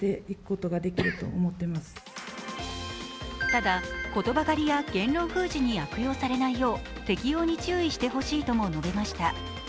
ただ、言葉狩りや言論封じに悪用されないよう適用に注意してほしいとも述べました。